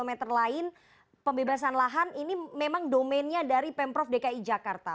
mungkin pembebasan lahan ini memang domennya dari pemprov dki jakarta